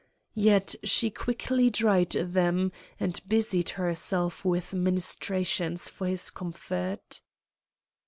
Yet she quickly dried them and busied herself with ministrations for his comfort.